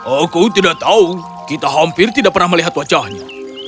aku tidak tahu kita hampir tidak pernah melihat wajahnya